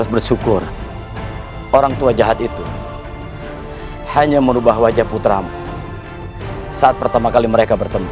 bersyukur orang tua jahat itu hanya merubah wajah putramu saat pertama kali mereka bertemu